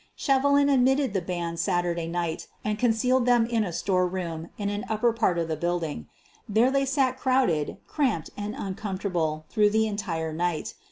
Shevelin admitted the band Saturday night and concealed them in a storeroom in an upper part of 158 SOPHIE LYONS the building. There they sat crowded, cramped, and uncomfortable through the entire night.